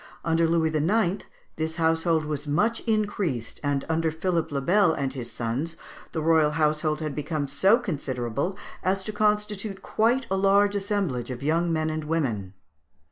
Under Louis IX. this household was much increased, and under Philippe le Bel and his sons the royal household had become so considerable as to constitute quite a large assemblage of young men and women.